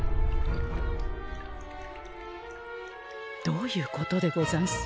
どういうことでござんす？